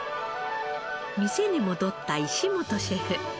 店に戻った石本シェフ。